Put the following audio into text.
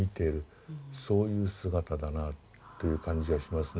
そういう姿だなという感じはしますね。